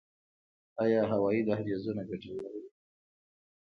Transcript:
آیا هوایي دهلیزونه ګټور وو؟